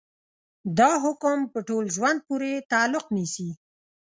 دا حکم په ټول ژوند پورې تعلق نيسي.